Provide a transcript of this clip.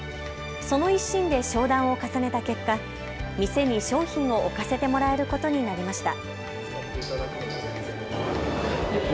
その一心で商談を重ねた結果店に商品を置かせてもらえることになりました。